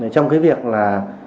trong cái việc là